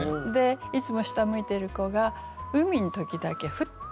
いつも下向いている子が海の時だけふっと表情を変えた。